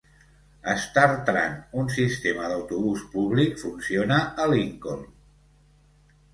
StarTran, un sistema d'autobús públic, funciona a Lincoln.